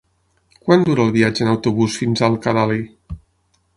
Quant dura el viatge en autobús fins a Alcalalí?